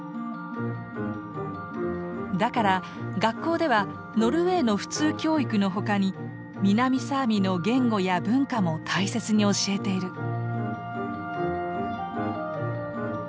だから学校ではノルウェーの普通教育の他に南サーミの言語や文化も大切に教えてる。